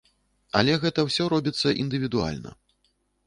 Але гэта ўсё робіцца індывідуальна.